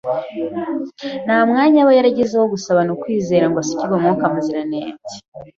nta mwanya aba yaragize wo gusabana ukwizera ngo asukirwe Mwuka Muziranenge.